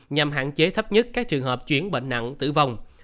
nhằm hạn chế thấp nhất các trường hợp chuyển bệnh nặng tử vong